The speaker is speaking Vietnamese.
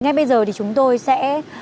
ngay bây giờ thì chúng tôi sẽ